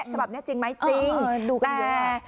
ชะบับนี้จริงไหมจริงแต่ดูกันเยอะ